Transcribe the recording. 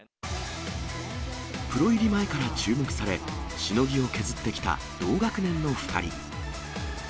プロ入り前から注目され、しのぎを削ってきた同学年の２人。